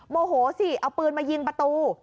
โมโหสิเอาปืนมายิงประตู